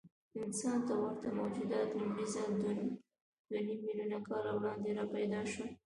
انسان ته ورته موجودات لومړی ځل دوهنیممیلیونه کاله وړاندې راپیدا شول.